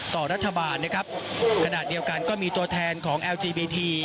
ต่อรัฐบาลนะครับขณะเดียวกันก็มีตัวแทนของแอลจีบีที